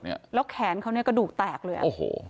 แล้วแขนเขากระดูกแตกเลย